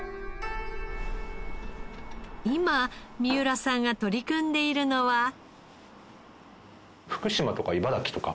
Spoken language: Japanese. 今三浦さんが取り組んでいるのは。